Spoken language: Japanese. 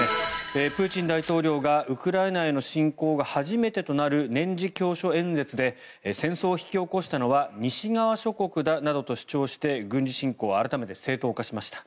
プーチン大統領がウクライナへの侵攻後初めてとなる年次教書演説で戦争を引き起こしたのは西側諸国だなどと主張して軍事侵攻を改めて正当化しました。